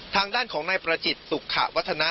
ทางด้านของนายประจิตสุขะวัฒนะ